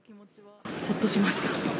ほっとしました。